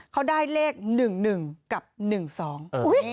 เขาได้เลขหนึ่งหนึ่งกับหนึ่งสองอุ้ย